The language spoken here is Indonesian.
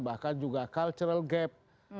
bahkan juga cultural gap